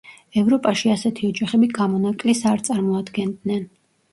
ევროპაში ასეთი ოჯახები გამონაკლისს არ წარმოადგენდნენ.